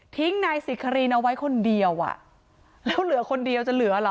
นายสิครีนเอาไว้คนเดียวอ่ะแล้วเหลือคนเดียวจะเหลือเหรอ